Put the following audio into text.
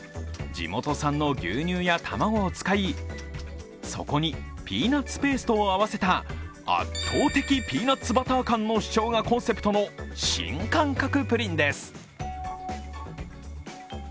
地元産の牛乳や卵を使いそこにピーナッツペーストを合わせた圧倒的ピーナッツバター感がコンセプトの新感覚プリンです。